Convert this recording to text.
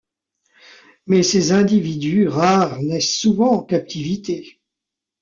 Mais ces individus rares naissent souvent en captivité.